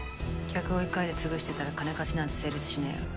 客を１回で潰してたら金貸しなんて成立しねぇよ。